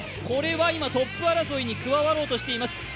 これは今、トップ争いに加わろうとしています。